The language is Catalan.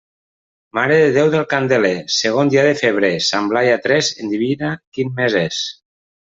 Mare de Déu del Candeler, segon dia de febrer; Sant Blai a tres, endevina quin mes és.